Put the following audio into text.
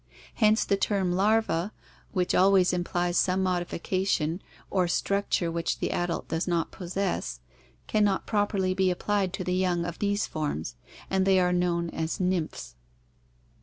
Hence the term larva, which always implies some modification or structure which the adult does not possess, can not properly be applied to the young of these forms, and they are known as nymphs.